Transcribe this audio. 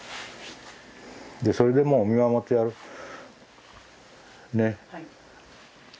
それでもう見守ってやる。ね？